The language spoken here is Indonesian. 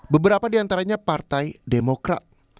beberapa di antaranya partai demokrat